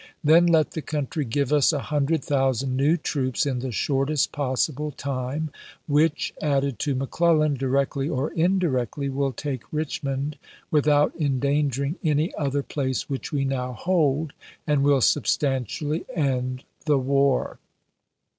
Then let the country give us a hundred thousand new troops in the shortest possible time, which, added to McClellan directly or indirectly, wiU take Rich mond without endangering any other place which we now hold, and will substantially end the war.